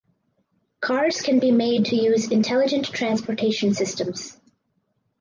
Cars can be made to use intelligent transportation systems.